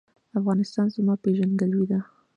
افغانستان زما پیژندګلوي ده؟